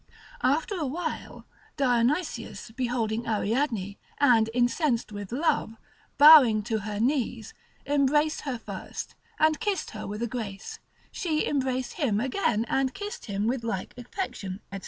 After a while Dionysius beholding Ariadne, and incensed with love, bowing to her knees, embraced her first, and kissed her with a grace; she embraced him again, and kissed him with like affection, &c.